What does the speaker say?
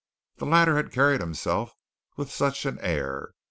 The latter had carried himself with such an air.